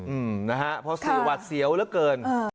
อืมนะฮะเพราะสื่อหวัดเสียวเหลือเกิน